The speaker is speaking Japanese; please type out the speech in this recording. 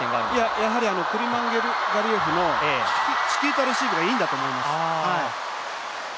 やはりクルマンガリエフのチキータレシーブがいいんだと思います。